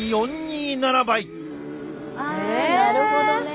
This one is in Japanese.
あなるほどね。